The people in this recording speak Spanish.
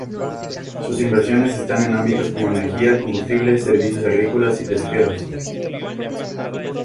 Sus inversiones están en ámbitos como energía, combustible, servicios agrícolas y pesqueros.